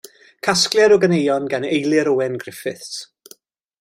Casgliad o ganeuon gan Eilir Owen Griffiths.